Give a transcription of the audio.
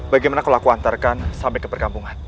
bagaimana kalau aku antarkan sampai ke perkampungan